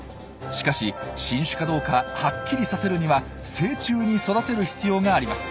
しかし新種かどうかはっきりさせるには成虫に育てる必要があります。